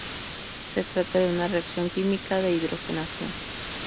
Se trata de una reacción química de hidrogenación.